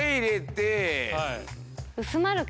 薄まるか。